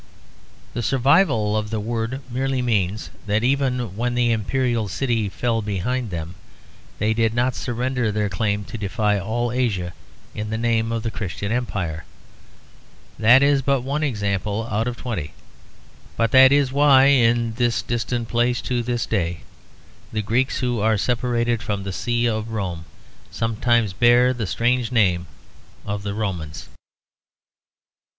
The survival of the word merely means that even when the imperial city fell behind them, they did not surrender their claim to defy all Asia in the name of the Christian Emperor. That is but one example out of twenty, but that is why in this distant place to this day the Greeks who are separated from the see of Rome sometimes bear the strange name of "The Romans."